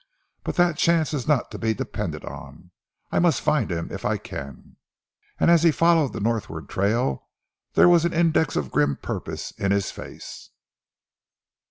But that chance is not to be depended on. I must find him if I can." And as he followed the Northward trail there was the index of grim purpose in his face.